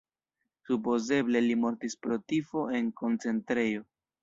Supozeble li mortis pro tifo en koncentrejo.